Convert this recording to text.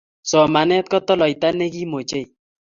Somanet kotoloita me kiim ochei